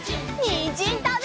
にんじんたべるよ！